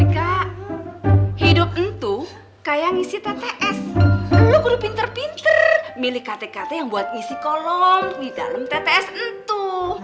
kak hidup itu kayak ngisi tts lu guru pinter pinter milik ktk yang buat ngisi kolom di dalam tts itu